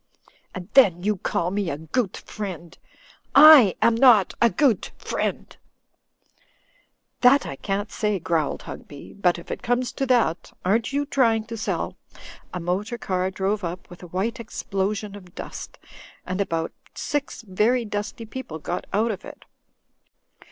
And then you call me a goot friend. I am not a goot friend !" "That I can't say," growled Hugby, "but if it comes to that — ^aren't you trying to sell —" A motor car drove up with a white explosion of dust, and about six very dusty people got out of it.